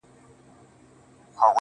خو ته د هر محفل په ژبه کي هينداره سوې~